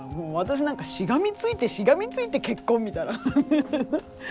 私なんかしがみついてしがみついて結婚みたいな。